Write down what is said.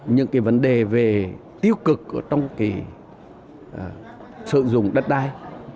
những cái vấn đề về tiêu cực trong cái sử dụng đất đai